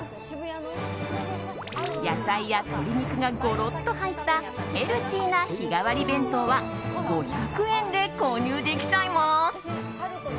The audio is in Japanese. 野菜や鶏肉がゴロッと入ったヘルシーな日替わり弁当は５００円で購入できちゃいます。